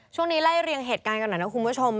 ช่วงนี้ไล่เรียงเหตุการณ์กันหน่อยนะคุณผู้ชม